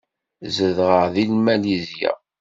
Zedɣeɣ deg Malizya.